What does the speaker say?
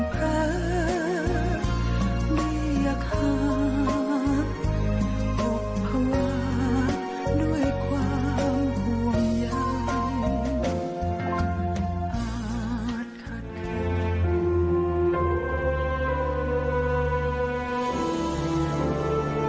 เบียกหาหุบภาวะด้วยความห่วงใหญ่อาจขาดขาด